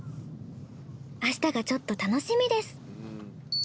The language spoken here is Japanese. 明日がちょっと楽しみです。